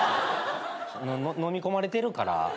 のみ込まれてるから。